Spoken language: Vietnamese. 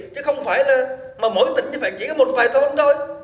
chứ không phải là mỗi tỉnh phải chỉ có một vài thông thôi